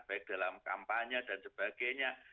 baik dalam kampanye dan sebagainya